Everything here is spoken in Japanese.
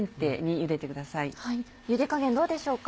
ゆで加減どうでしょうか？